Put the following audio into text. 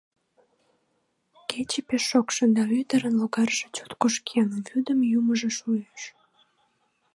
Кече пеш шокшо, да ӱдырын логарже чот кошкен, вӱдым йӱмыжӧ шуэш.